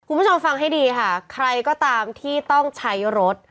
คุณผู้ชมฟังให้ดีค่ะใครก็ตามที่ต้องใช้รถ